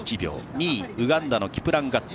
２位、ウガンダのキプランガット。